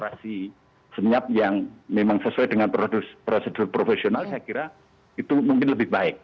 jadi semuanya yang memang sesuai dengan prosedur profesional saya kira itu mungkin lebih baik